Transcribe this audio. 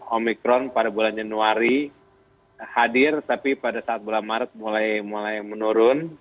omikron pada bulan januari hadir tapi pada saat bulan maret mulai menurun